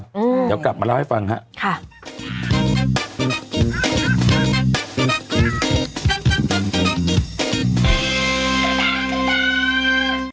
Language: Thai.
อืมเดี๋ยวกลับมาเล่าให้ฟังฮะค่ะ